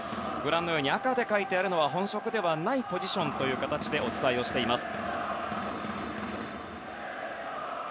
赤で書いてあるのは本職ではないポジションという形でお伝えをしています。